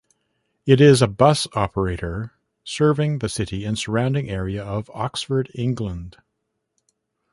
It is a bus operator serving the city and surrounding area of Oxford, England.